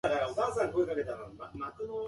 数学は難しい